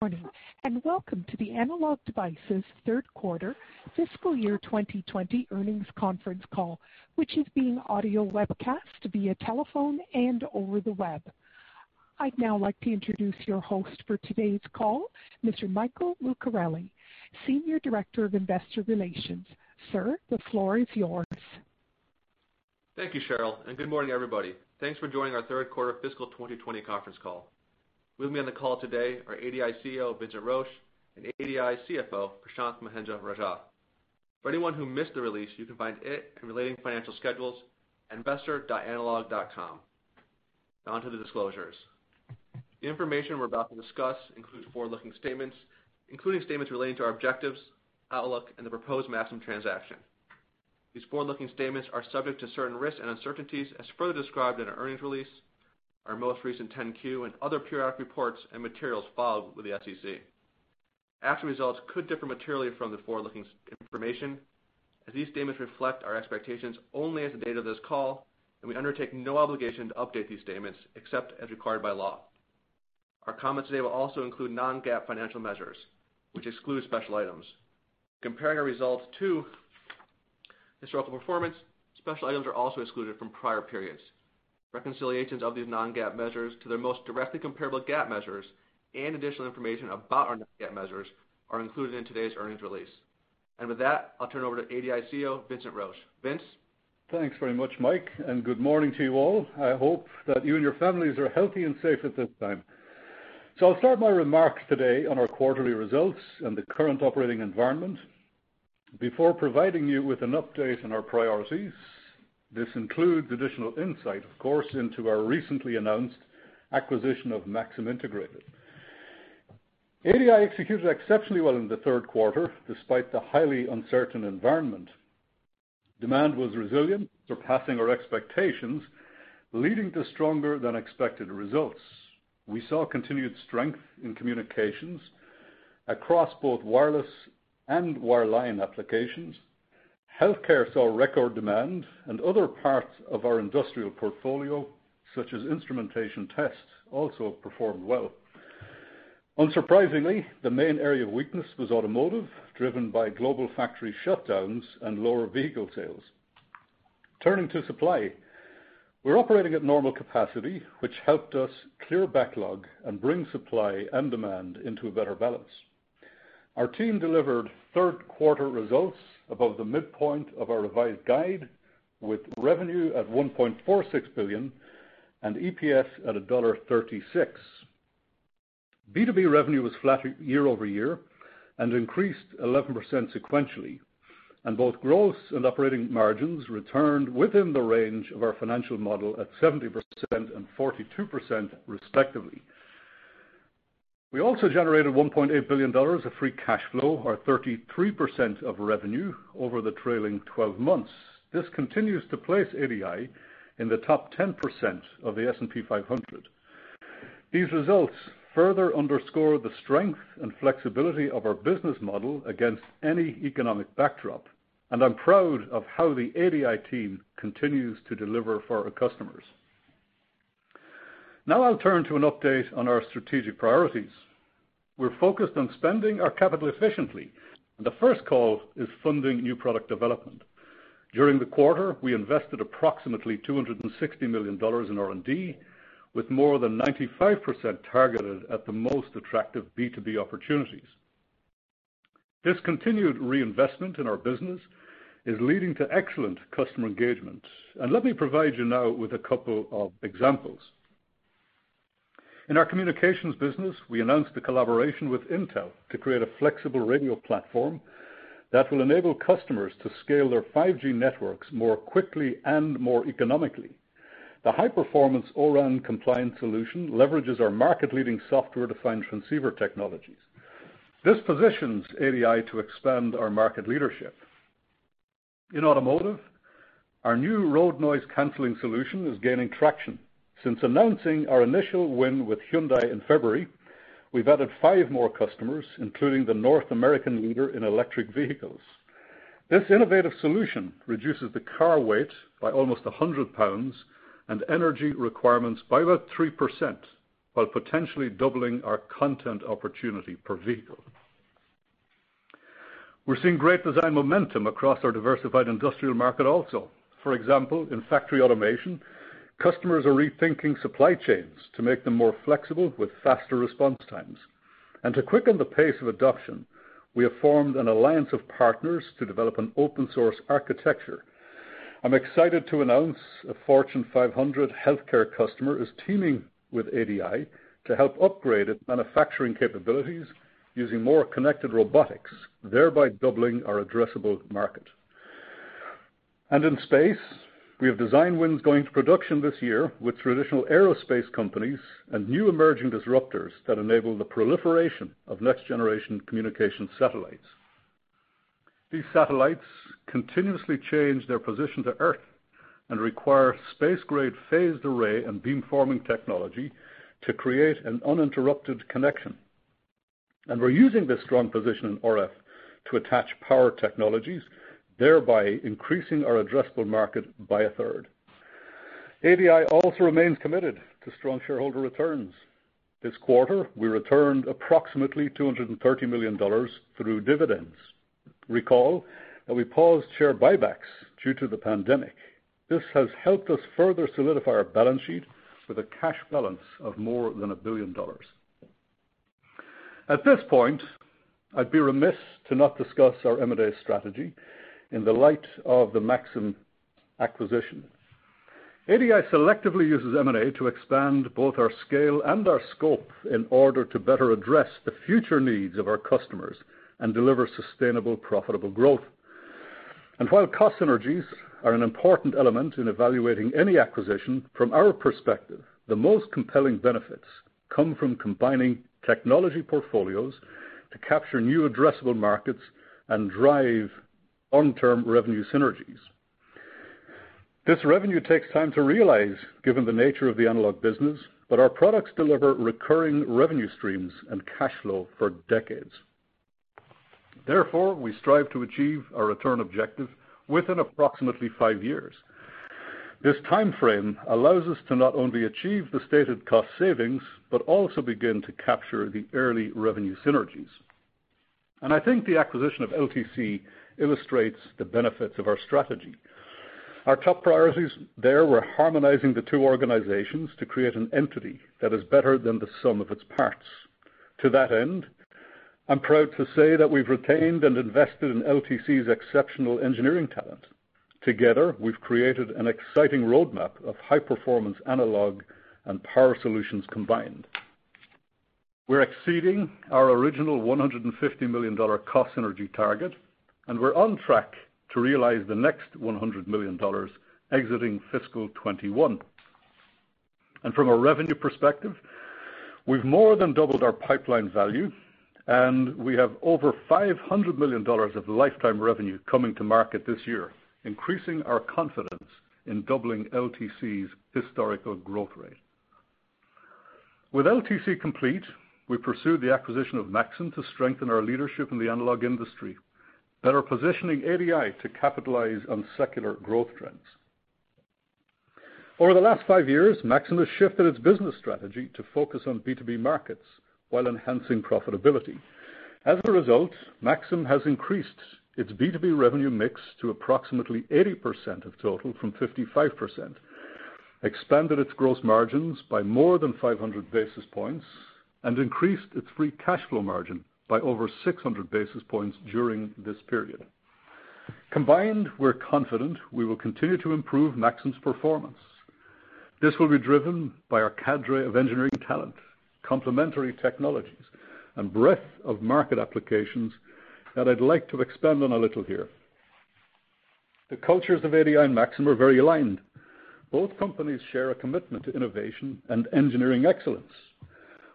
Morning, welcome to the Analog Devices Third Quarter Fiscal Year 2020 Earnings Conference Call, which is being audio webcast via telephone and over the web. I'd now like to introduce your host for today's call, Mr. Michael Lucarelli, Senior Director of Investor Relations. Sir, the floor is yours. Thank you, Cheryl. Good morning, everybody. Thanks for joining our third quarter fiscal 2020 conference call. With me on the call today are ADI CEO, Vincent Roche, and ADI CFO, Prashanth Mahendra-Rajah. For anyone who missed the release, you can find it and relating financial schedules, investor.analog.com. On to the disclosures. The information we're about to discuss include forward-looking statements, including statements relating to our objectives, outlook, and the proposed Maxim transaction. These forward-looking statements are subject to certain risks and uncertainties as further described in our earnings release, our most recent 10-Q, and other periodic reports and materials filed with the SEC. Actual results could differ materially from the forward-looking information as these statements reflect our expectations only as of the date of this call. We undertake no obligation to update these statements except as required by law. Our comments today will also include non-GAAP financial measures, which exclude special items. Comparing our results to historical performance, special items are also excluded from prior periods. Reconciliations of these non-GAAP measures to their most directly comparable GAAP measures and additional information about our non-GAAP measures are included in today's earnings release. With that, I'll turn over to ADI CEO, Vincent Roche. Vince? Thanks very much, Mike, and good morning to you all. I hope that you and your families are healthy and safe at this time. I'll start my remarks today on our quarterly results and the current operating environment before providing you with an update on our priorities. This includes additional insight, of course, into our recently announced acquisition of Maxim Integrated. ADI executed exceptionally well in the third quarter, despite the highly uncertain environment. Demand was resilient, surpassing our expectations, leading to stronger-than-expected results. We saw continued strength in communications across both wireless and wireline applications. Healthcare saw record demand, and other parts of our industrial portfolio, such as instrumentation tests, also performed well. Unsurprisingly, the main area of weakness was automotive, driven by global factory shutdowns and lower vehicle sales. Turning to supply, we're operating at normal capacity, which helped us clear backlog and bring supply and demand into a better balance. Our team delivered third quarter results above the midpoint of our revised guide, with revenue at $1.46 billion and EPS at $1.36. B2B revenue was flat year-over-year and increased 11% sequentially, and both gross and operating margins returned within the range of our financial model at 70% and 42%, respectively. We also generated $1.8 billion of free cash flow, or 33% of revenue over the trailing 12 months. This continues to place ADI in the top 10% of the S&P 500. These results further underscore the strength and flexibility of our business model against any economic backdrop, and I'm proud of how the ADI team continues to deliver for our customers. Now I'll turn to an update on our strategic priorities. We're focused on spending our capital efficiently, and the first call is funding new product development. During the quarter, we invested approximately $260 million in R&D, with more than 95% targeted at the most attractive B2B opportunities. This continued reinvestment in our business is leading to excellent customer engagement, and let me provide you now with a couple of examples. In our communications business, we announced a collaboration with Intel to create a flexible radio platform that will enable customers to scale their 5G networks more quickly and more economically. The high-performance O-RAN compliant solution leverages our market-leading software-defined transceiver technologies. This positions ADI to expand our market leadership. In automotive, our new road noise-canceling solution is gaining traction. Since announcing our initial win with Hyundai in February, we've added five more customers, including the North American leader in electric vehicles. This innovative solution reduces the car weight by almost 100 pounds and energy requirements by about 3%, while potentially doubling our content opportunity per vehicle. We're seeing great design momentum across our diversified industrial market also. For example, in factory automation, customers are rethinking supply chains to make them more flexible with faster response times. To quicken the pace of adoption, we have formed an alliance of partners to develop an open-source architecture. I'm excited to announce a Fortune 500 healthcare customer is teaming with ADI to help upgrade its manufacturing capabilities using more connected robotics, thereby doubling our addressable market. In space, we have design wins going to production this year with traditional aerospace companies and new emerging disruptors that enable the proliferation of next-generation communication satellites. These satellites continuously change their position to Earth and require space-grade phased array and beamforming technology to create an uninterrupted connection. We're using this strong position in RF to attach power technologies, thereby increasing our addressable market by a third. ADI also remains committed to strong shareholder returns. This quarter, we returned approximately $230 million through dividends. Recall that we paused share buybacks due to the pandemic. This has helped us further solidify our balance sheet with a cash balance of more than a billion dollars. At this point, I'd be remiss to not discuss our M&A strategy in the light of the Maxim acquisition. ADI selectively uses M&A to expand both our scale and our scope in order to better address the future needs of our customers and deliver sustainable profitable growth. While cost synergies are an important element in evaluating any acquisition, from our perspective, the most compelling benefits come from combining technology portfolios to capture new addressable markets and drive long-term revenue synergies. This revenue takes time to realize, given the nature of the analog business, but our products deliver recurring revenue streams and cash flow for decades. Therefore, we strive to achieve our return objective within approximately five years. This timeframe allows us to not only achieve the stated cost savings, but also begin to capture the early revenue synergies. I think the acquisition of LTC illustrates the benefits of our strategy. Our top priorities there were harmonizing the two organizations to create an entity that is better than the sum of its parts. To that end, I'm proud to say that we've retained and invested in LTC's exceptional engineering talent. Together, we've created an exciting roadmap of high performance analog and power solutions combined. We're exceeding our original $150 million cost synergy target, we're on track to realize the next $100 million exiting fiscal 2021. From a revenue perspective, we've more than doubled our pipeline value, and we have over $500 million of lifetime revenue coming to market this year, increasing our confidence in doubling LTC's historical growth rate. With LTC complete, we pursue the acquisition of Maxim to strengthen our leadership in the analog industry, better positioning ADI to capitalize on secular growth trends. Over the last five years, Maxim has shifted its business strategy to focus on B2B markets while enhancing profitability. As a result, Maxim has increased its B2B revenue mix to approximately 80% of total from 55%, expanded its gross margins by more than 500 basis points, and increased its free cash flow margin by over 600 basis points during this period. Combined, we're confident we will continue to improve Maxim's performance. This will be driven by our cadre of engineering talent, complementary technologies, and breadth of market applications that I'd like to expand on a little here. The cultures of ADI and Maxim are very aligned. Both companies share a commitment to innovation and engineering excellence.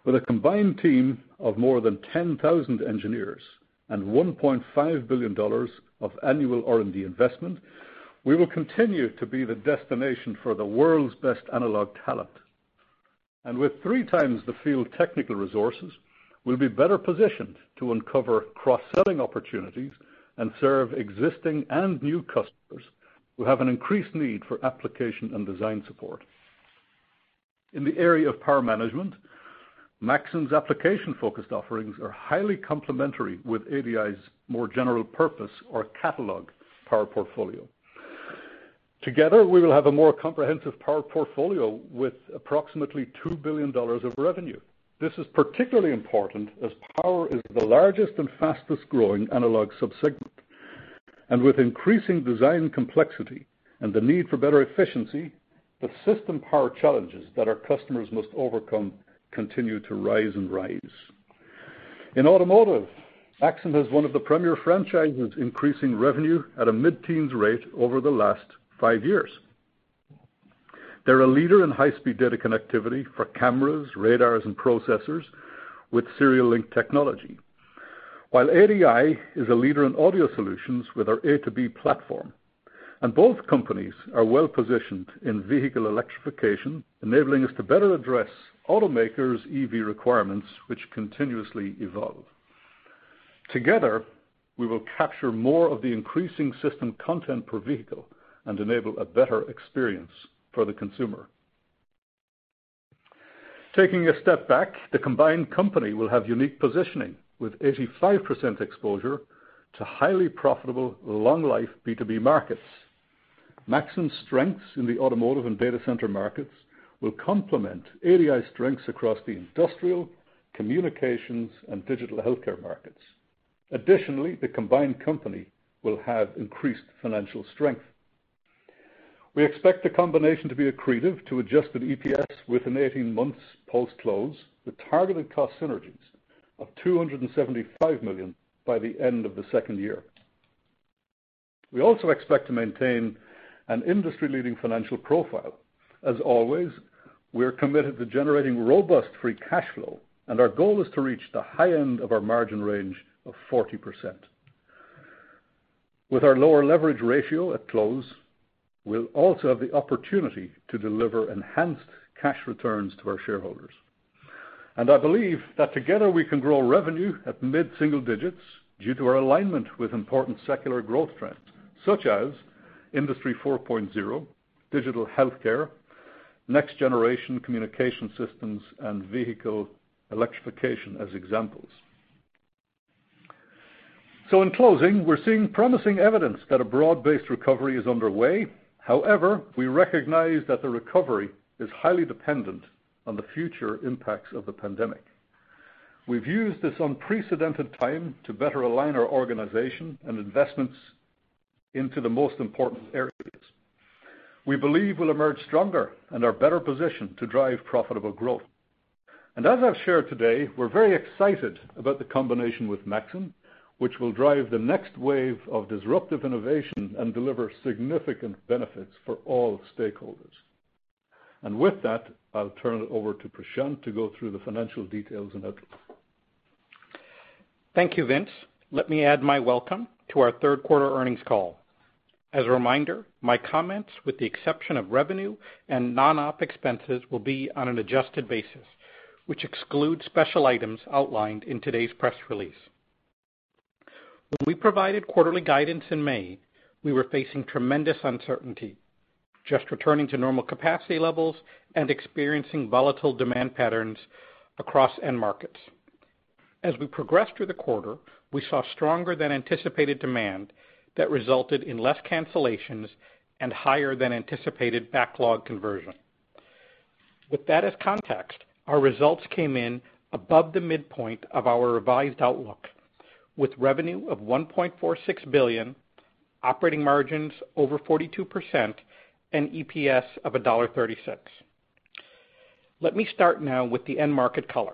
With a combined team of more than 10,000 engineers and $1.5 billion of annual R&D investment, we will continue to be the destination for the world's best analog talent. With three times the field technical resources, we'll be better positioned to uncover cross-selling opportunities and serve existing and new customers who have an increased need for application and design support. In the area of power management, Maxim's application-focused offerings are highly complementary with ADI's more general purpose or catalog power portfolio. Together, we will have a more comprehensive power portfolio with approximately $2 billion of revenue. This is particularly important as power is the largest and fastest-growing analog subsegment. With increasing design complexity and the need for better efficiency, the system power challenges that our customers must overcome continue to rise and rise. In automotive, Maxim has one of the premier franchises increasing revenue at a mid-teens rate over the last five years. They're a leader in high-speed data connectivity for cameras, radars, and processors with serial link technology, while ADI is a leader in audio solutions with our A2B platform. Both companies are well positioned in vehicle electrification, enabling us to better address automakers' EV requirements, which continuously evolve. Together, we will capture more of the increasing system content per vehicle and enable a better experience for the consumer. Taking a step back, the combined company will have unique positioning with 85% exposure to highly profitable long life B2B markets. Maxim's strengths in the automotive and data center markets will complement ADI's strengths across the industrial, communications, and digital healthcare markets. Additionally, the combined company will have increased financial strength. We expect the combination to be accretive to adjusted EPS within 18 months post-close, with targeted cost synergies of $275 million by the end of the second year. We also expect to maintain an industry-leading financial profile. As always, we're committed to generating robust free cash flow, and our goal is to reach the high end of our margin range of 40%. With our lower leverage ratio at close, we'll also have the opportunity to deliver enhanced cash returns to our shareholders. I believe that together we can grow revenue at mid-single digits due to our alignment with important secular growth trends, such as Industry 4.0, digital healthcare, next-generation communication systems, and vehicle electrification, as examples. In closing, we're seeing promising evidence that a broad-based recovery is underway. However, we recognize that the recovery is highly dependent on the future impacts of the pandemic. We've used this unprecedented time to better align our organization and investments into the most important areas. We believe we'll emerge stronger and are better positioned to drive profitable growth. As I've shared today, we're very excited about the combination with Maxim, which will drive the next wave of disruptive innovation and deliver significant benefits for all stakeholders. With that, I'll turn it over to Prashanth to go through the financial details in outlook. Thank you, Vince. Let me add my welcome to our third quarter earnings call. As a reminder, my comments, with the exception of revenue and non-op expenses, will be on an adjusted basis, which excludes special items outlined in today's press release. When we provided quarterly guidance in May, we were facing tremendous uncertainty, just returning to normal capacity levels and experiencing volatile demand patterns across end markets. As we progressed through the quarter, we saw stronger than anticipated demand that resulted in less cancellations and higher than anticipated backlog conversion. With that as context, our results came in above the midpoint of our revised outlook with revenue of $1.46 billion, operating margins over 42%, and EPS of $1.36. Let me start now with the end market color.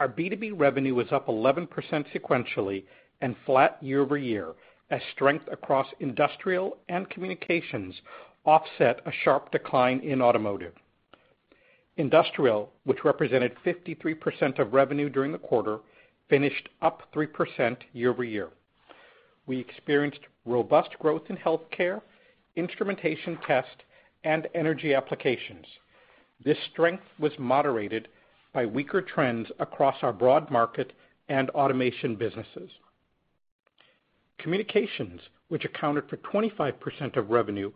Our B2B revenue was up 11% sequentially and flat year-over-year, as strength across industrial and communications offset a sharp decline in automotive. Industrial, which represented 53% of revenue during the quarter, finished up 3% year-over-year. We experienced robust growth in healthcare, instrumentation test, and energy applications. This strength was moderated by weaker trends across our broad market and automation businesses. Communications, which accounted for 25% of revenue,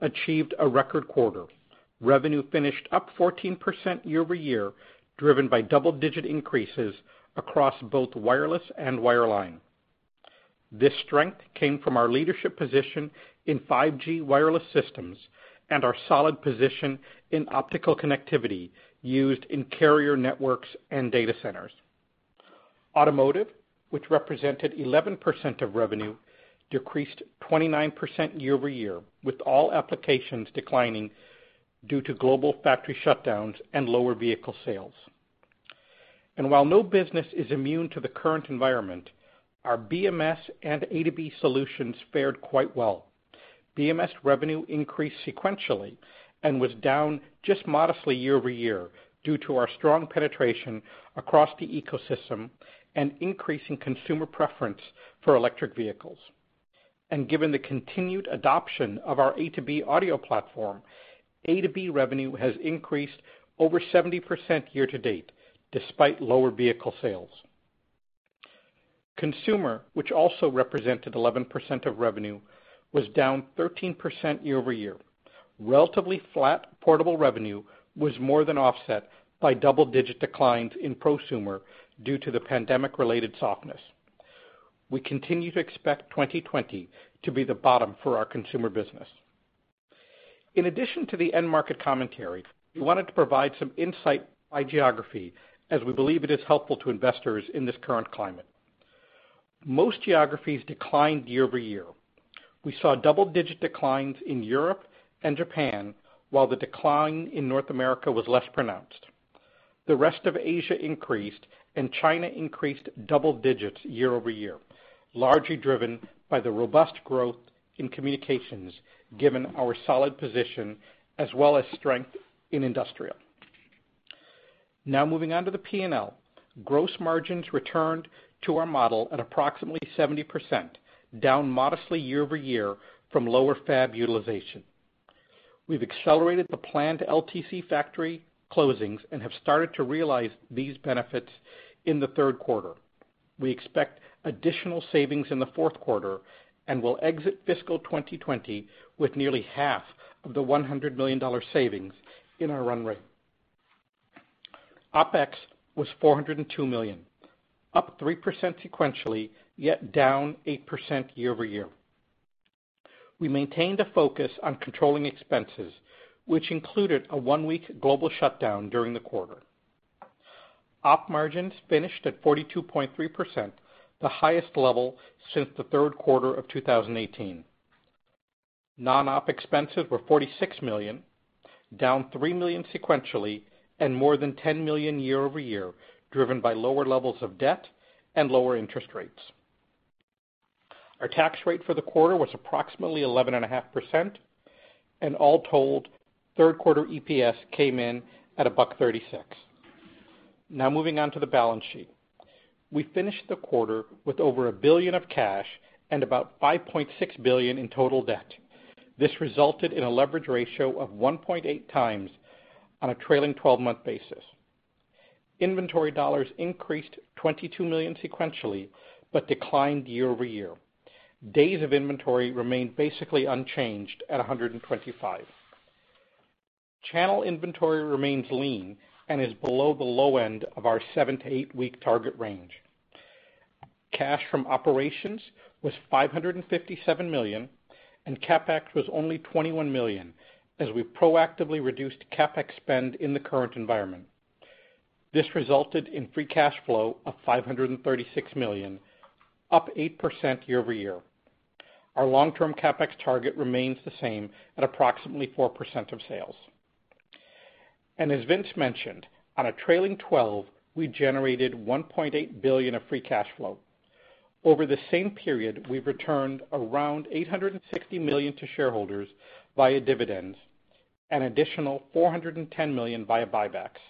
achieved a record quarter. Revenue finished up 14% year-over-year, driven by double-digit increases across both wireless and wireline. This strength came from our leadership position in 5G wireless systems and our solid position in optical connectivity used in carrier networks and data centers. Automotive, which represented 11% of revenue, decreased 29% year-over-year, with all applications declining due to global factory shutdowns and lower vehicle sales. While no business is immune to the current environment, our BMS and A2B solutions fared quite well. BMS revenue increased sequentially and was down just modestly year-over-year due to our strong penetration across the ecosystem and increasing consumer preference for electric vehicles. Given the continued adoption of our A2B audio platform, A2B revenue has increased over 70% year-to-date, despite lower vehicle sales. Consumer, which also represented 11% of revenue, was down 13% year-over-year. Relatively flat portable revenue was more than offset by double-digit declines in prosumer due to the pandemic-related softness. We continue to expect 2020 to be the bottom for our consumer business. In addition to the end market commentary, we wanted to provide some insight by geography as we believe it is helpful to investors in this current climate. Most geographies declined year-over-year. We saw double-digit declines in Europe and Japan, while the decline in North America was less pronounced. The rest of Asia increased, China increased double digits year-over-year, largely driven by the robust growth in communications given our solid position as well as strength in industrial. Moving on to the P&L. Gross margins returned to our model at approximately 70%, down modestly year-over-year from lower fab utilization. We've accelerated the planned LTC factory closings and have started to realize these benefits in the third quarter. We expect additional savings in the fourth quarter will exit fiscal 2020 with nearly half of the $100 million savings in our run rate. OpEx was $402 million, up 3% sequentially, down 8% year-over-year. We maintained a focus on controlling expenses, which included a one-week global shutdown during the quarter. Op margins finished at 42.3%, the highest level since the third quarter of 2018. Non-Op expenses were $46 million, down $3 million sequentially and more than $10 million year-over-year, driven by lower levels of debt and lower interest rates. Our tax rate for the quarter was approximately 11.5%, and all told, third quarter EPS came in at $1.36. Now moving on to the balance sheet. We finished the quarter with over $1 billion of cash and about $5.6 billion in total debt. This resulted in a leverage ratio of 1.8x on a trailing 12-month basis. Inventory dollars increased $22 million sequentially but declined year-over-year. Days of inventory remained basically unchanged at 125. Channel inventory remains lean and is below the low end of our seven- to eight-week target range. Cash from operations was $557 million, and CapEx was only $21 million, as we proactively reduced CapEx spend in the current environment. This resulted in free cash flow of $536 million, up 8% year-over-year. Our long-term CapEx target remains the same at approximately 4% of sales. As Vince mentioned, on a trailing 12, we generated $1.8 billion of free cash flow. Over the same period, we've returned around $860 million to shareholders via dividends, an additional $410 million via buybacks.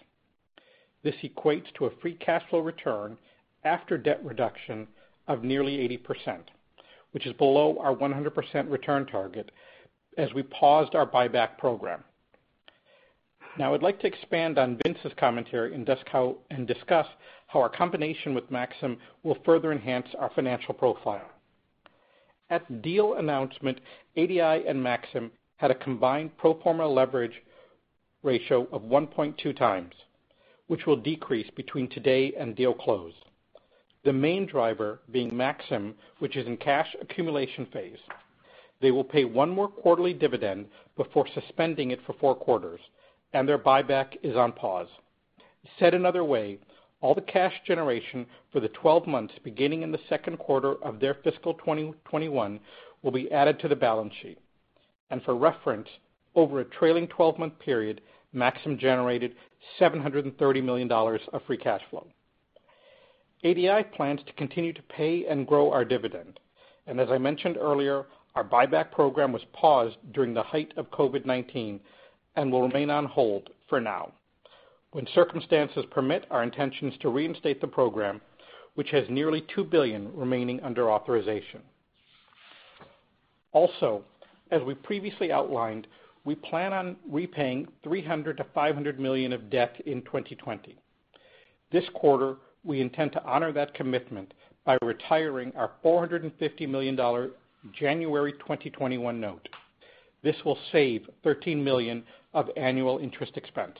This equates to a free cash flow return after debt reduction of nearly 80%, which is below our 100% return target as we paused our buyback program. Now I'd like to expand on Vince's commentary and discuss how our combination with Maxim will further enhance our financial profile. At deal announcement, ADI and Maxim had a combined pro forma leverage ratio of 1.2x, which will decrease between today and deal close. The main driver being Maxim, which is in cash accumulation phase. They will pay one more quarterly dividend before suspending it for four quarters, and their buyback is on pause. Said another way, all the cash generation for the 12 months beginning in the second quarter of their fiscal 2021 will be added to the balance sheet. For reference, over a trailing 12-month period, Maxim generated $730 million of free cash flow. ADI plans to continue to pay and grow our dividend. As I mentioned earlier, our buyback program was paused during the height of COVID-19 and will remain on hold for now. When circumstances permit, our intention is to reinstate the program, which has nearly $2 billion remaining under authorization. As we previously outlined, we plan on repaying $300 million-$500 million of debt in 2020. This quarter, we intend to honor that commitment by retiring our $450 million January 2021 note. This will save $13 million of annual interest expense.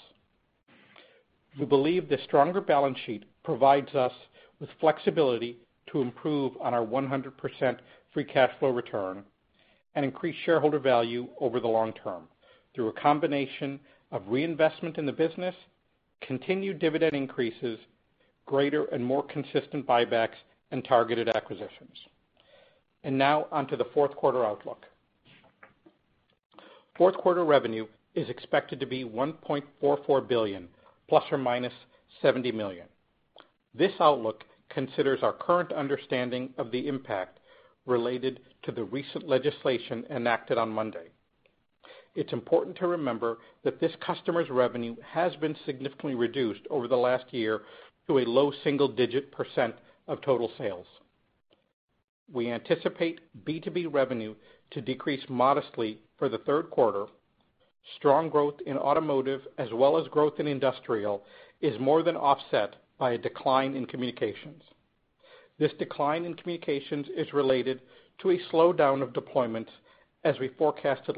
We believe the stronger balance sheet provides us with flexibility to improve on our 100% free cash flow return and increase shareholder value over the long term through a combination of reinvestment in the business, continued dividend increases, greater and more consistent buybacks, and targeted acquisitions. Now on to the fourth quarter outlook. Fourth quarter revenue is expected to be $1.44 billion, ±$70 million. This outlook considers our current understanding of the impact related to the recent legislation enacted on Monday. It's important to remember that this customer's revenue has been significantly reduced over the last year to a low-single-digit percent of total sales. We anticipate B2B revenue to decrease modestly for the third quarter. Strong growth in automotive as well as growth in industrial is more than offset by a decline in communications. This decline in communications is related to a slowdown of deployments as we forecasted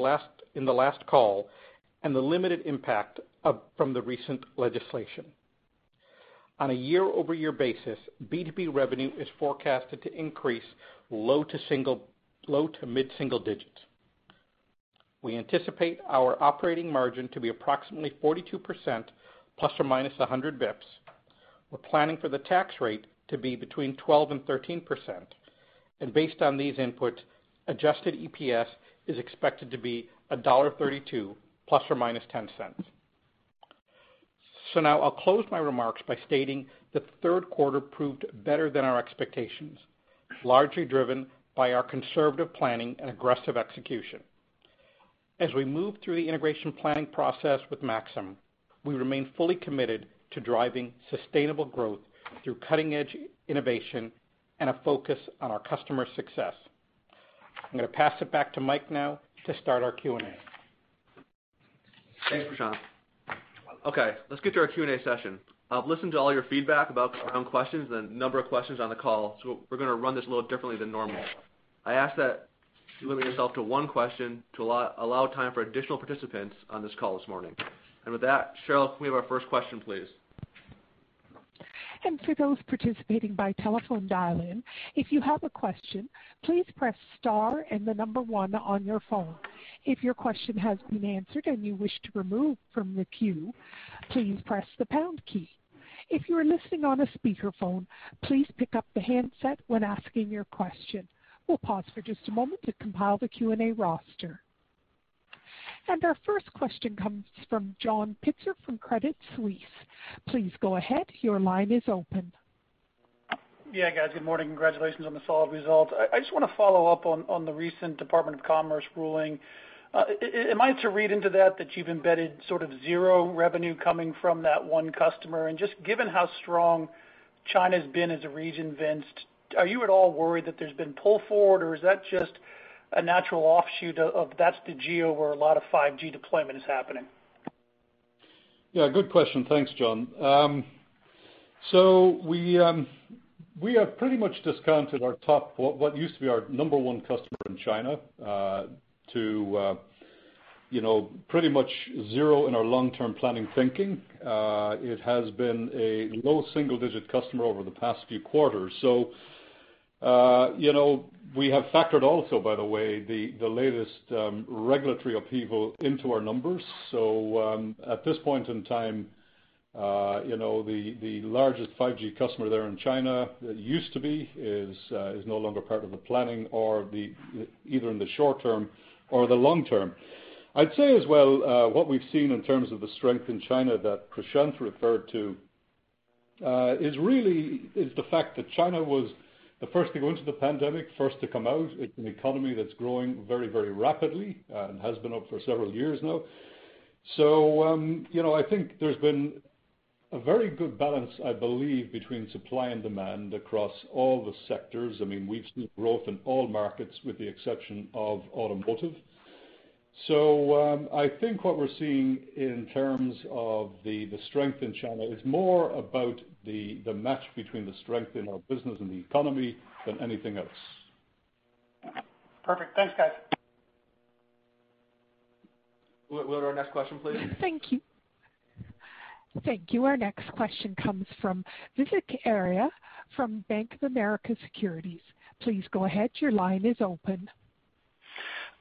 in the last call, and the limited impact from the recent legislation. On a year-over-year basis, B2B revenue is forecasted to increase low- to mid-single digits. We anticipate our operating margin to be approximately 42%, ±100 basis points. We're planning for the tax rate to be between 12% and 13%. Based on these inputs, adjusted EPS is expected to be $1.32, ±$0.10. Now I'll close my remarks by stating the third quarter proved better than our expectations, largely driven by our conservative planning and aggressive execution. As we move through the integration planning process with Maxim, we remain fully committed to driving sustainable growth through cutting-edge innovation and a focus on our customer success. I'm going to pass it back to Mike now to start our Q&A. Thanks, Prashanth. Okay, let's get to our Q&A session. I've listened to all your feedback about some questions and the number of questions on the call. We're going to run this a little differently than normal. I ask that you limit yourself to one question to allow time for additional participants on this call this morning. With that, Cheryl, can we have our first question, please? For those participating by telephone dial-in, if you have a question, please press star and the number one on your phone. If your question has been answered and you wish to remove from the queue, please press the pound key. If you are listening on a speakerphone, please pick up the handset when asking your question. We'll pause for just a moment to compile the Q&A roster. Our first question comes from John Pitzer from Credit Suisse. Please go ahead, your line is open. Yeah, guys. Good morning. Congratulations on the solid result. I just want to follow up on the recent Department of Commerce ruling. Am I to read into that you've embedded sort of zero revenue coming from that one customer? Just given how strong China's been as a region, Vince, are you at all worried that there's been pull forward or is that just a natural offshoot of that's the geo where a lot of 5G deployment is happening? Yeah, good question. Thanks, John. We have pretty much discounted what used to be our number one customer in China, to pretty much zero in our long-term planning thinking. It has been a low-single-digit customer over the past few quarters. We have factored also, by the way, the latest regulatory upheaval into our numbers. At this point in time, the largest 5G customer there in China, that used to be, is no longer part of the planning, either in the short term or the long term. I'd say as well, what we've seen in terms of the strength in China that Prashanth referred to, is the fact that China was the first to go into the pandemic, first to come out. It's an economy that's growing very rapidly and has been up for several years now. I think there's been a very good balance, I believe, between supply and demand across all the sectors. We've seen growth in all markets with the exception of automotive. I think what we're seeing in terms of the strength in China is more about the match between the strength in our business and the economy than anything else. Perfect. Thanks, guys. Will take our next question, please? Thank you. Our next question comes from Vivek Arya from Bank of America Securities. Please go ahead. Your line is open.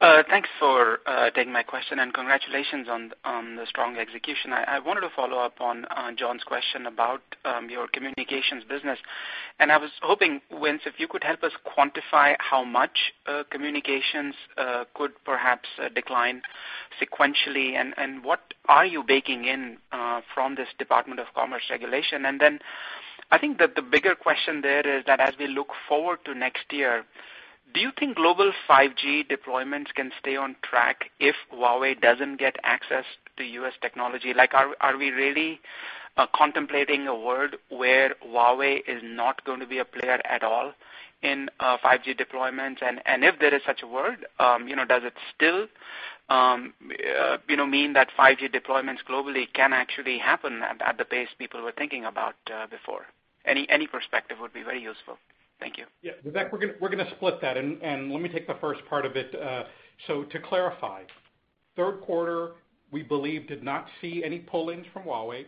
Thanks for taking my question and congratulations on the strong execution. I wanted to follow up on John's question about your communications business. I was hoping, Vince, if you could help us quantify how much communications could perhaps decline sequentially, and what are you baking in from this Department of Commerce regulation? I think that the bigger question there is that as we look forward to next year, do you think global 5G deployments can stay on track if Huawei doesn't get access to U.S. technology? Are we really contemplating a world where Huawei is not going to be a player at all in 5G deployments? If there is such a world, does it still mean that 5G deployments globally can actually happen at the pace people were thinking about before? Any perspective would be very useful. Thank you. Yeah, Vivek, we're going to split that and let me take the first part of it. To clarify, third quarter, we believe, did not see any pull-ins from Huawei.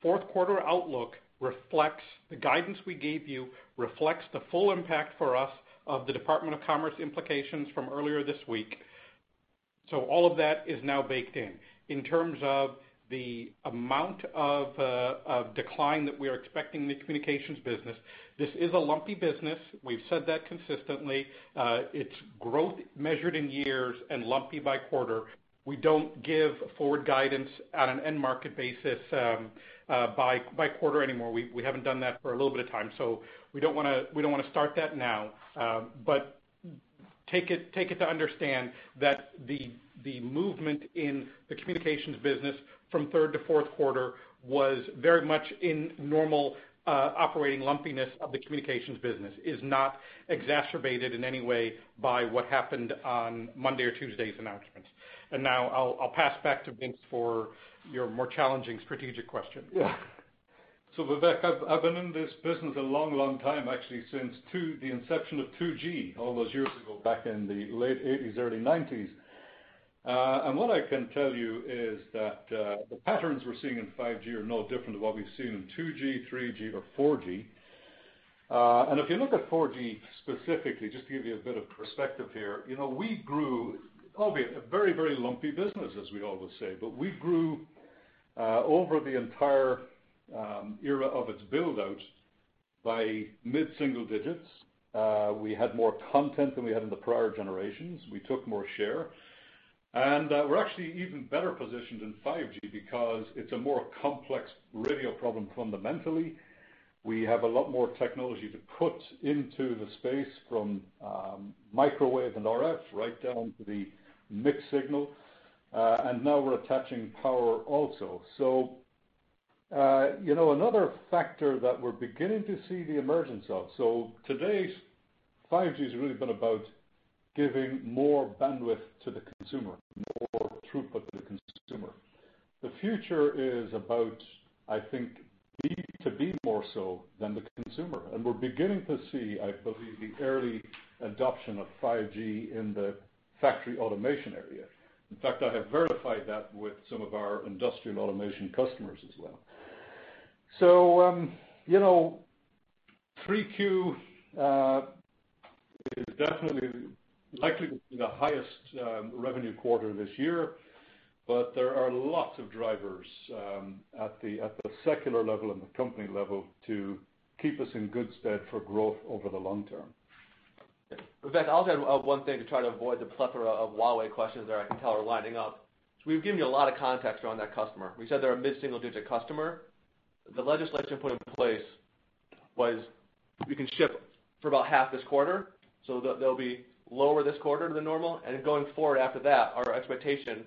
Fourth quarter outlook, the guidance we gave you reflects the full impact for us of the Department of Commerce implications from earlier this week. All of that is now baked in. In terms of the amount of decline that we are expecting in the communications business, this is a lumpy business. We've said that consistently. Its growth measured in years and lumpy by quarter. We don't give forward guidance at an end market basis by quarter anymore. We haven't done that for a little bit of time. We don't want to start that now. Take it to understand that the movement in the communications business from third to fourth quarter was very much in normal operating lumpiness of the communications business, is not exacerbated in any way by what happened on Monday or Tuesday's announcements. Now I'll pass back to Vince for your more challenging strategic question. Yeah. Vivek, I've been in this business a long time, actually since the inception of 2G all those years ago, back in the late 1980s, early 1990s. What I can tell you is that the patterns we're seeing in 5G are no different to what we've seen in 2G, 3G, or 4G. If you look at 4G specifically, just to give you a bit of perspective here, we grew, albeit a very lumpy business, as we always say, but we grew over the entire era of its build-out by mid-single digits. We had more content than we had in the prior generations. We took more share. We're actually even better positioned in 5G because it's a more complex radio problem fundamentally. We have a lot more technology to put into the space from microwave and RF right down to the mixed signal. Now we're attaching power also. Another factor that we're beginning to see the emergence of, Today's 5G has really been about giving more bandwidth to the consumer, more throughput to the consumer. The future is about, I think, B2B more so than the consumer. We're beginning to see, I believe, the early adoption of 5G in the factory automation area. In fact, I have verified that with some of our industrial automation customers as well. 3Q is definitely likely to be the highest revenue quarter this year, but there are lots of drivers at the secular level and the company level to keep us in good stead for growth over the long term. Vivek, I also have one thing to try to avoid the plethora of Huawei questions that I can tell are lining up. We've given you a lot of context around that customer. We said they're a mid-single-digit customer. The legislation put in place was, we can ship for about half this quarter, so they'll be lower this quarter than normal. Going forward after that, our expectation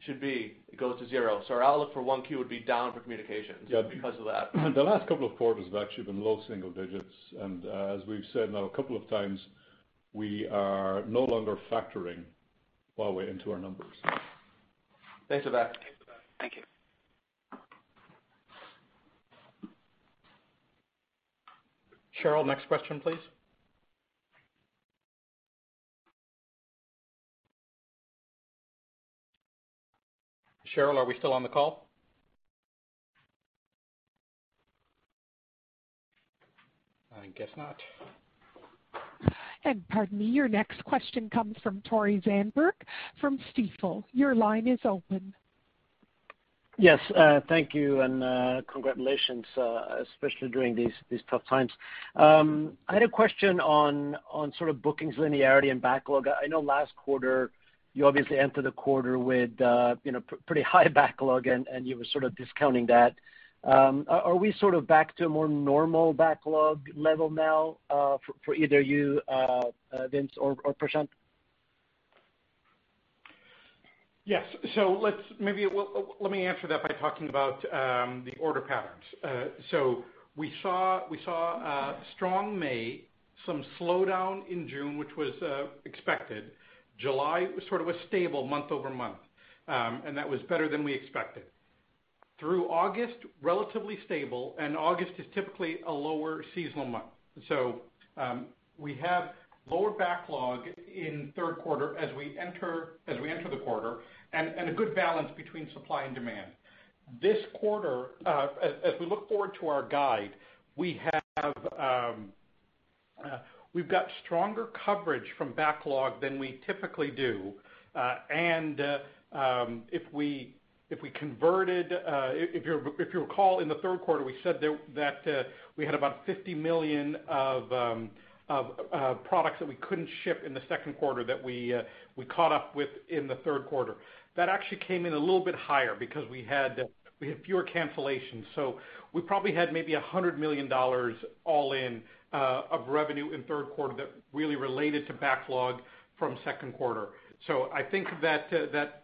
should be it goes to zero. Our outlook for Q1 would be down for communications because of that. The last couple of quarters have actually been low-single digits, and as we've said now a couple of times, we are no longer factoring Huawei into our numbers. Thanks, Vivek. Thank you. Cheryl, next question, please. Cheryl, are we still on the call? I guess not. Pardon me. Your next question comes from Tore Svanberg from Stifel. Your line is open. Yes. Thank you, and congratulations, especially during these tough times. I had a question on sort of bookings linearity and backlog. I know last quarter you obviously entered the quarter with pretty high backlog, and you were sort of discounting that. Are we sort of back to a more normal backlog level now for either you, Vince or Prashanth? Yes. Let me answer that by talking about the order patterns. We saw a strong May, some slowdown in June, which was expected. July was sort of a stable month-over-month, and that was better than we expected. Through August, relatively stable, and August is typically a lower seasonal month. We have lower backlog in third quarter as we enter the quarter, and a good balance between supply and demand. This quarter, as we look forward to our guide, we've got stronger coverage from backlog than we typically do. If you'll recall, in the third quarter, we said that we had about $50 million of products that we couldn't ship in the second quarter that we caught up with in the third quarter. That actually came in a little bit higher because we had fewer cancellations, so we probably had maybe $100 million all in of revenue in third quarter that really related to backlog from second quarter. I think that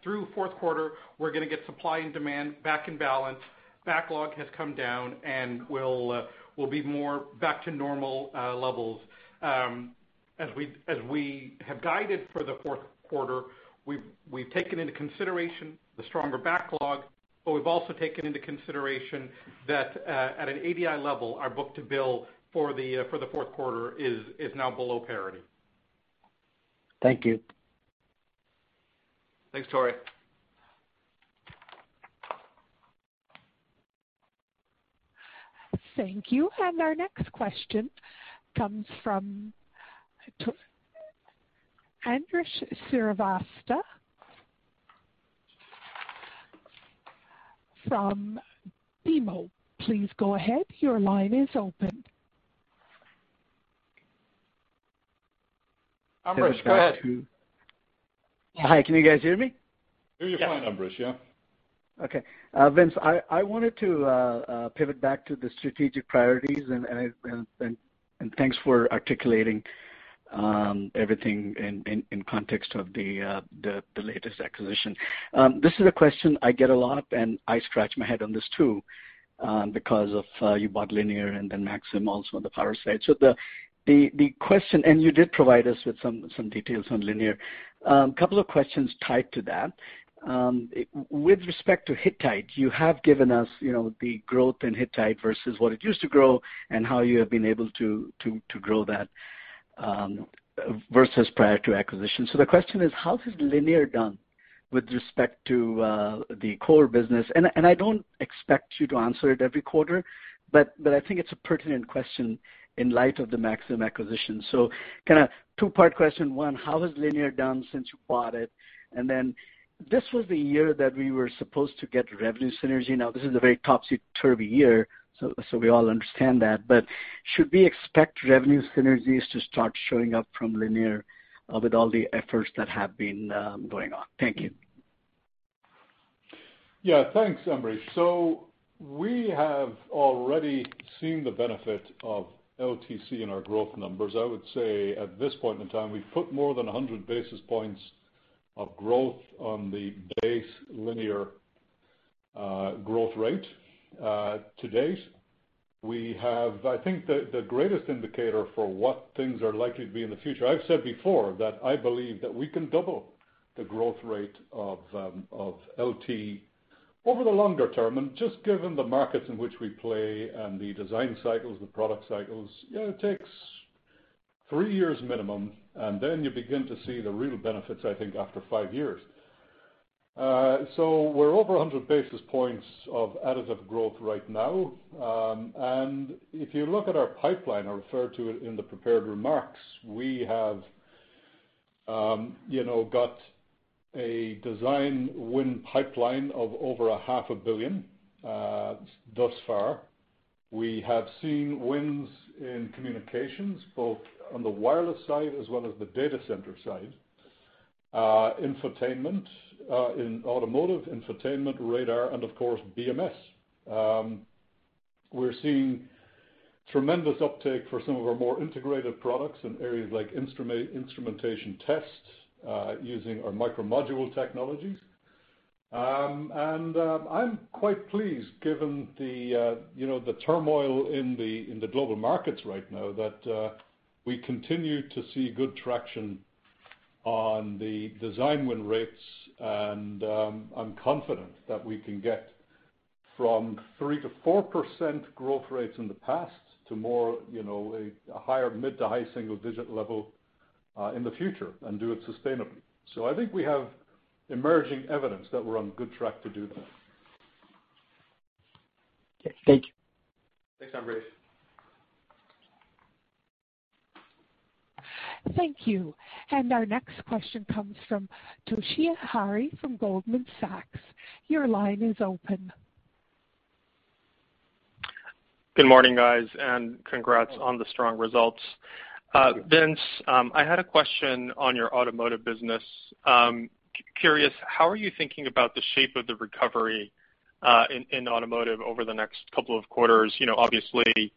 through fourth quarter, we're going to get supply and demand back in balance. Backlog has come down, and we'll be more back to normal levels. As we have guided for the fourth quarter, we've taken into consideration the stronger backlog, but we've also taken into consideration that at an ADI level, our book-to-bill for the fourth quarter is now below parity. Thank you. Thanks, Tore. Thank you. Our next question comes from Ambrish Srivastava from BMO. Please go ahead, your line is open. Ambrish, go ahead. Hi, can you guys hear me? Hear you fine, Ambrish, yeah. Vince, I wanted to pivot back to the strategic priorities. Thanks for articulating everything in context of the latest acquisition. This is a question I get a lot. I scratch my head on this too because of you bought Linear and then Maxim also on the power side. The question. You did provide us with some details on Linear. Couple of questions tied to that. With respect to Hittite, you have given us the growth in Hittite versus what it used to grow and how you have been able to grow that, versus prior to acquisition. The question is, how has Linear done with respect to the core business? I don't expect you to answer it every quarter. I think it's a pertinent question in light of the Maxim acquisition. Kind of two-part question. One, how has Linear done since you bought it? This was the year that we were supposed to get revenue synergy. Now, this is a very topsy-turvy year. We all understand that. Should we expect revenue synergies to start showing up from Linear with all the efforts that have been going on? Thank you. Yeah. Thanks, Ambrish. We have already seen the benefit of LTC in our growth numbers. I would say, at this point in time, we've put more than 100 basis points of growth on the base Linear growth rate to date. I think the greatest indicator for what things are likely to be in the future, I've said before that I believe that we can double the growth rate of LT over the longer term. Just given the markets in which we play and the design cycles, the product cycles, it takes three years minimum, and then you begin to see the real benefits, I think, after five years. We're over 100 basis points of additive growth right now. If you look at our pipeline, I referred to it in the prepared remarks, we have. Got a design win pipeline of over a half a billion thus far. We have seen wins in communications, both on the wireless side as well as the data center side. Infotainment in automotive, infotainment radar, and of course, BMS. We're seeing tremendous uptake for some of our more integrated products in areas like instrumentation tests using our MicroModule technologies. I'm quite pleased given the turmoil in the global markets right now that we continue to see good traction on the design win rates. I'm confident that we can get from 3% to 4% growth rates in the past to a higher mid- to high-single-digit level in the future and do it sustainably. I think we have emerging evidence that we're on good track to do that. Okay. Thank you. Thanks, Ambrish. Thank you. Our next question comes from Toshiya Hari from Goldman Sachs. Your line is open. Good morning, guys, and congrats on the strong results. Thank you. Vince, I had a question on your automotive business. Curious, how are you thinking about the shape of the recovery in automotive over the next couple of quarters? Obviously,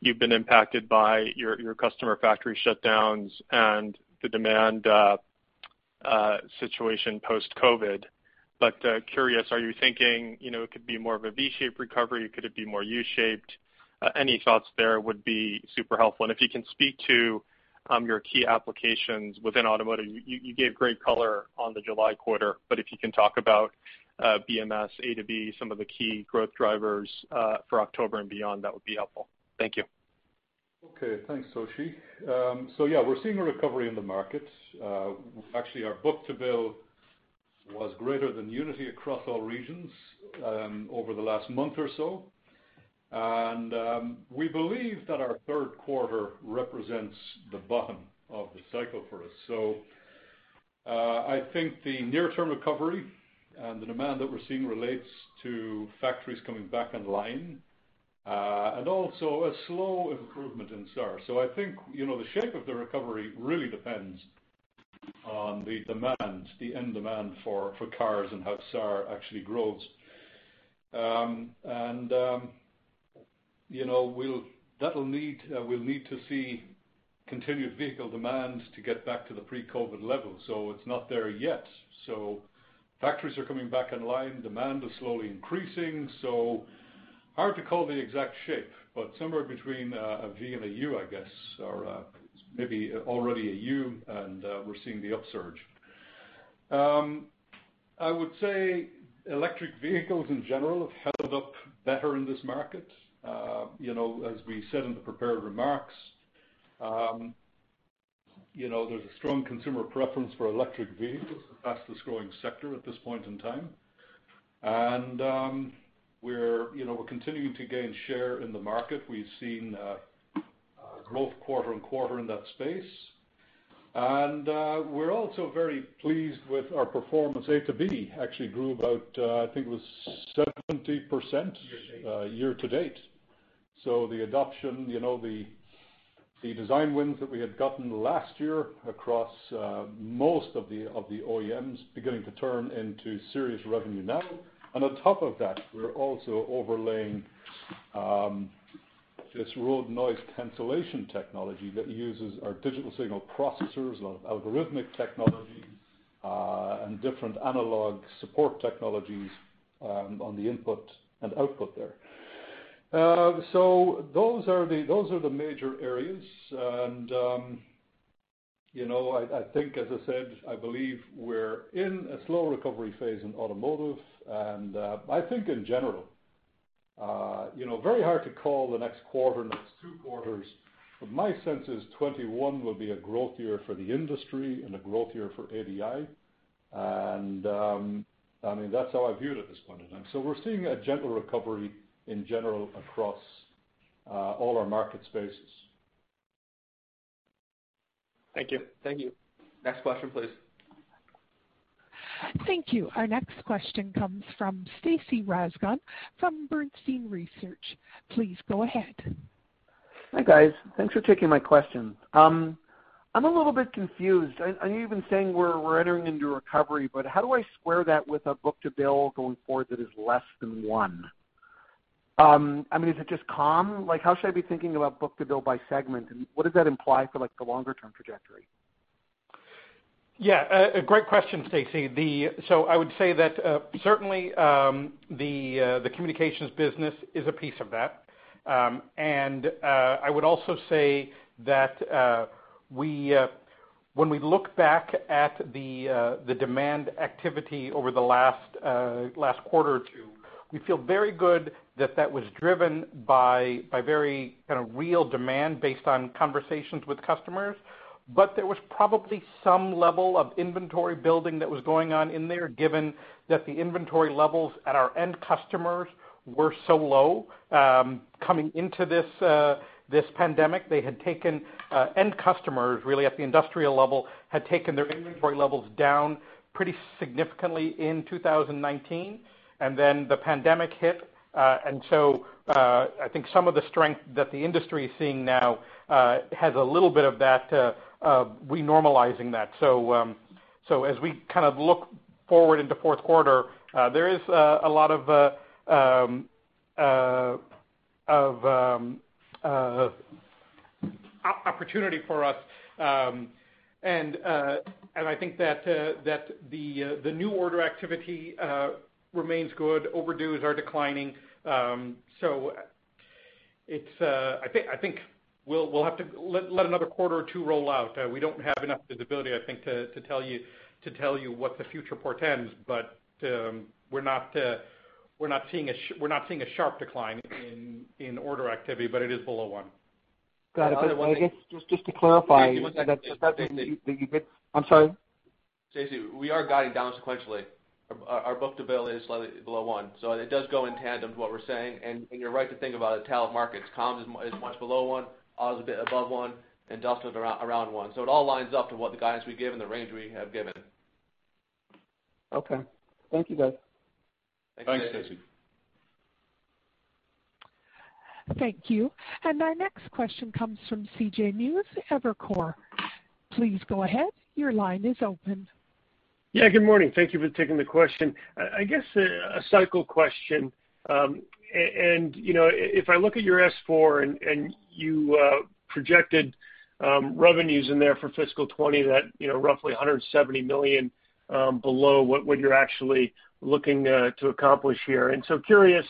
you've been impacted by your customer factory shutdowns and the demand situation post-COVID-19. Curious, are you thinking it could be more of a V-shaped recovery? Could it be more U-shaped? Any thoughts there would be super helpful. If you can speak to your key applications within automotive, you gave great color on the July quarter, but if you can talk about BMS, A2B, some of the key growth drivers for October and beyond, that would be helpful. Thank you. Okay. Thanks, Toshi. Yeah, we're seeing a recovery in the market. Actually, our book-to-bill was greater than unity across all regions over the last month or so. We believe that our third quarter represents the bottom of the cycle for us. I think the near-term recovery and the demand that we're seeing relates to factories coming back online, and also a slow improvement in SAAR. I think the shape of the recovery really depends on the end demand for cars and how SAAR actually grows. We'll need to see continued vehicle demand to get back to the pre-COVID levels. It's not there yet. Factories are coming back online, demand is slowly increasing. Hard to call the exact shape, but somewhere between a V and a U, I guess. Maybe already a U and we're seeing the upsurge. I would say electric vehicles in general have held up better in this market. As we said in the prepared remarks, there's a strong consumer preference for electric vehicles, the fastest-growing sector at this point in time. We're continuing to gain share in the market. We've seen growth quarter-on-quarter in that space. We're also very pleased with our performance. A2B actually grew about, I think it was 70%- Year-to-date. Year-to-date. The adoption, the design wins that we had gotten last year across most of the OEMs beginning to turn into serious revenue now. On top of that, we're also overlaying this road noise cancellation technology that uses our digital signal processors, a lot of algorithmic technologies, and different analog support technologies on the input and output there. Those are the major areas. I think, as I said, I believe we're in a slow recovery phase in automotive, and I think in general. Very hard to call the next quarter, next two quarters, but my sense is 2021 will be a growth year for the industry and a growth year for ADI. That's how I view it at this point in time. We're seeing a gentle recovery in general across all our market spaces. Thank you. Thank you. Next question, please. Thank you. Our next question comes from Stacy Rasgon from Bernstein Research. Please go ahead. Hi, guys. Thanks for taking my question. I'm a little bit confused. I know you've been saying we're entering into recovery, how do I square that with a book-to-bill going forward that is less than one? Is it just calm? How should I be thinking about book-to-bill by segment, and what does that imply for the longer-term trajectory? Yeah. A great question, Stacy. I would say that certainly the communications business is a piece of that. I would also say that when we look back at the demand activity over the last quarter or two. We feel very good that that was driven by very real demand based on conversations with customers. There was probably some level of inventory building that was going on in there, given that the inventory levels at our end customers were so low coming into this pandemic. End customers, really at the industrial level, had taken their inventory levels down pretty significantly in 2019. The pandemic hit. I think some of the strength that the industry is seeing now has a little bit of that, renormalizing that. As we look forward into fourth quarter, there is a lot of opportunity for us. I think that the new order activity remains good. Overdues are declining. I think we'll have to let another quarter or two roll out. We don't have enough visibility, I think, to tell you what the future portends. We're not seeing a sharp decline in order activity, but it is below one. Got it. I guess, just to clarify. Stacy, one second. I'm sorry? Stacy, we are guiding down sequentially. Our book-to-bill is slightly below one, so it does go in tandem to what we're saying, and you're right to think about it tale of markets. Comms is much below one, auto a bit above one, and industrial is around one. It all lines up to what the guidance we give and the range we have given. Okay. Thank you, guys. Thanks, Stacy. Thanks, Stacy. Thank you. Our next question comes from CJ Muse, Evercore. Please go ahead. Your line is open. Yeah, good morning. Thank you for taking the question. I guess a cycle question. If I look at your S-4, and you projected revenues in there for fiscal 2020 that roughly $170 million below what you're actually looking to accomplish here. Curious,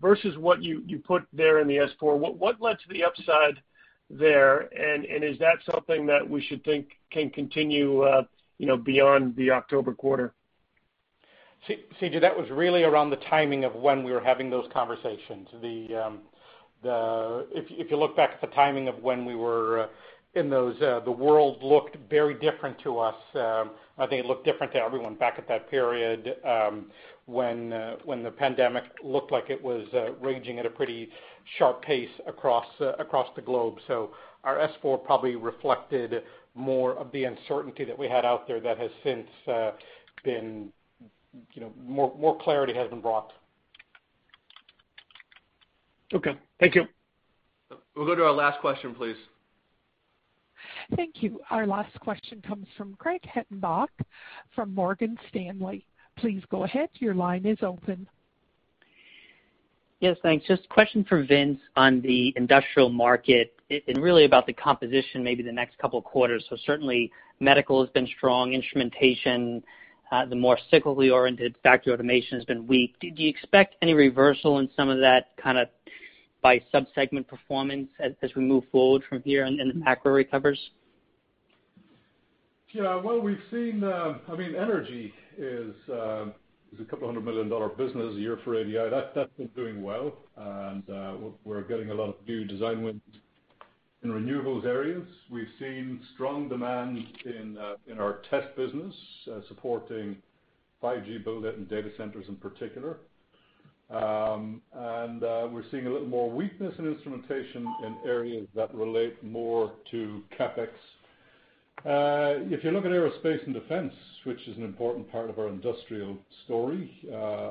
versus what you put there in the S-4, what led to the upside there? Is that something that we should think can continue beyond the October quarter? CJ, that was really around the timing of when we were having those conversations. If you look back at the timing of when we were in those, the world looked very different to us. I think it looked different to everyone back at that period, when the pandemic looked like it was raging at a pretty sharp pace across the globe. Our S-4 probably reflected more of the uncertainty that we had out there that has since been, more clarity has been brought. Okay. Thank you. We'll go to our last question, please. Thank you. Our last question comes from Craig Hettenbach, from Morgan Stanley. Please go ahead. Your line is open. Thanks. Just a question for Vince on the industrial market, and really about the composition, maybe the next couple of quarters. Certainly medical has been strong, instrumentation, the more cyclically-oriented factory automation has been weak. Do you expect any reversal in some of that kind of by sub-segment performance as we move forward from here and as macro recovers? Yeah. Well, we've seen, energy is a $200 million business a year for ADI. That's been doing well. We're getting a lot of new design wins in renewables areas. We've seen strong demand in our test business supporting 5G build out in data centers in particular. We're seeing a little more weakness in instrumentation in areas that relate more to CapEx. If you look at aerospace and defense, which is an important part of our industrial story,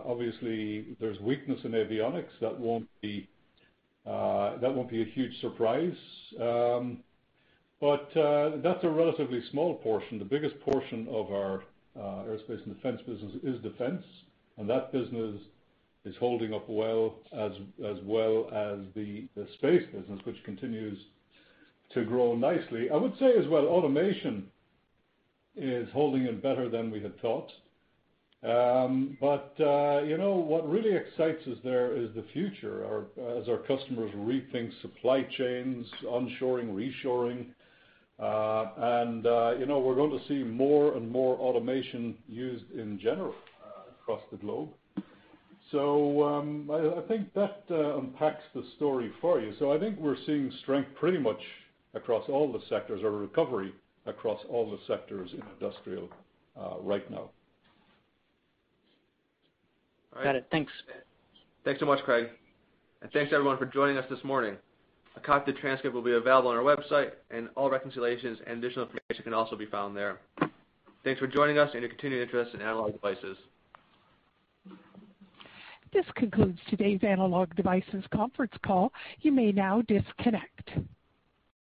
obviously there's weakness in avionics. That won't be a huge surprise. That's a relatively small portion. The biggest portion of our aerospace and defense business is defense, and that business is holding up well, as well as the space business, which continues to grow nicely. I would say as well, automation is holding in better than we had thought. What really excites us there is the future, as our customers rethink supply chains, onshoring, reshoring. We're going to see more and more automation used in general across the globe. I think that unpacks the story for you. I think we're seeing strength pretty much across all the sectors, or recovery across all the sectors in industrial right now. Got it. Thanks. Thanks so much, Craig. Thanks to everyone for joining us this morning. A copy of the transcript will be available on our website, and all reconciliations and additional information can also be found there. Thanks for joining us and your continued interest in Analog Devices. This concludes today's Analog Devices conference call. You may now disconnect.